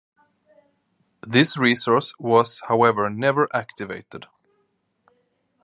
This resource was however never activated.